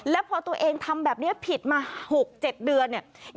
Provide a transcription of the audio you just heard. แล้วพอตัวเองทำแบบเนี้ยผิดมาหกเจ็ดเดือนเนี้ย